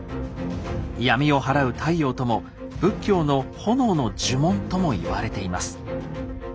闇を払う太陽とも仏教の炎の呪文とも言われています。